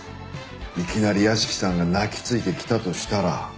いきなり屋敷さんが泣きついてきたとしたら。